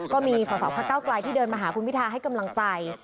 ก็มีสอสอพักเก้าไกลที่เดินมาหาคุณพิทาให้กำลังใจ